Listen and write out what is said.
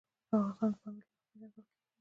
افغانستان د پامیر له مخې پېژندل کېږي.